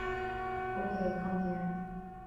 Okay, come here.